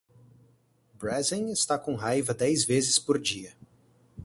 Brezen está com raiva dez vezes por dia.